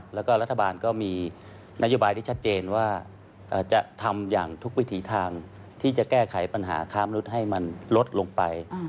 แล้วก็รัฐบาลก็มีนโยบายที่ชัดเจนว่าจะทำอย่างทุกวิถีทางที่จะแก้ไขปัญหาค้ามนุษย์ให้มันลดลงไป